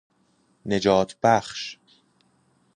نجات بخش